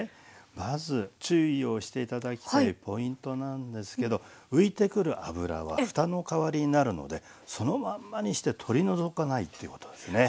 まず注意をして頂きたいポイントなんですけど浮いてくる脂はふたの代わりになるのでそのまんまにして取り除かないっていうことですね。